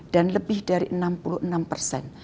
dan lebih dari enam puluh enam persen